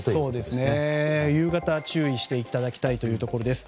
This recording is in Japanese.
夕方、注意していただきたいところです。